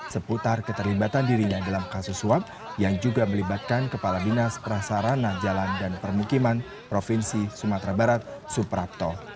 seputar keterlibatan dirinya dalam kasus suap yang juga melibatkan kepala dinas prasarana jalan dan permukiman provinsi sumatera barat suprapto